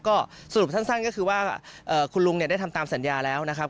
ก็สรุปสั้นก็คือว่าคุณลุงเนี่ยได้ทำตามสัญญาแล้วนะครับ